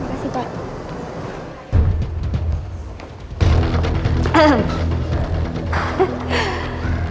terima kasih pak